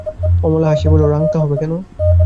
অমলা হাসিয়া বলিল, রাংতা হবে কেন?